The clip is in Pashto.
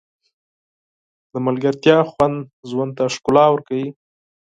د ملګرتیا خوند ژوند ته ښکلا ورکوي.